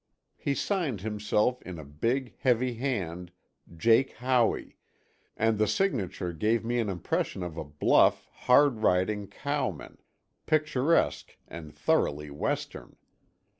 He signed himself in a big heavy hand, Jake Howey, and the signature gave me an impression of a bluff, hard riding cowman—picturesque and thoroughly Western.